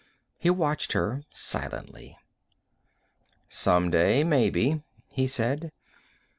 He watched her silently. "Someday, maybe," he said.